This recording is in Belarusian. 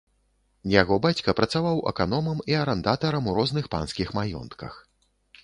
Яго бацька працаваў аканомам і арандатарам у розных панскіх маёнтках.